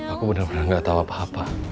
aku bener bener gak tau apa apa